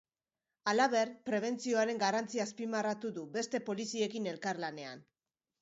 Halaber, prebentzioaren garrantzia azpimarratu du, beste poliziekin elkarlanean.